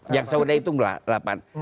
yang saya udah hitung delapan